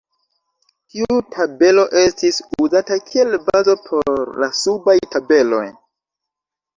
Tiu tabelo estis uzata kiel bazo por la subaj tabeloj.